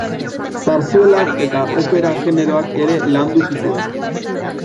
Zarzuela eta opera generoak ere landu zituen.